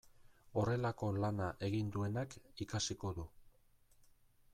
Horrelako lana egin duenak ikasiko du.